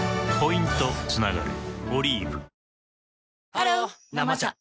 ハロー「生茶」